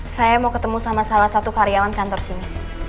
saya mau ketemu sama salah satu karyawan kantor sini